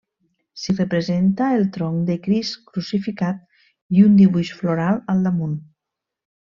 S'hi representa el tronc de Crist crucificat i un dibuix floral al damunt.